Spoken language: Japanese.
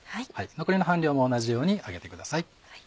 残りの半量も同じように揚げてください。